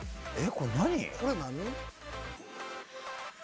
これ何？